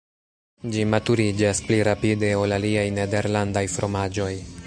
Ĝi maturiĝas pli rapide ol aliaj nederlandaj fromaĝoj.